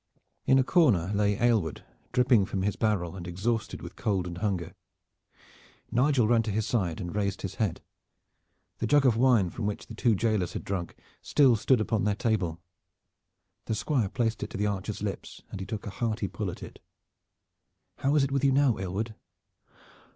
In a corner lay Aylward, dripping from his barrel and exhausted with cold and hunger. Nigel ran to his side and raised his head. The jug of wine from which the two jailers had drunk still stood upon their table. The Squire placed it to the archer's lips and he took a hearty pull at it. "How is it with you now, Aylward?"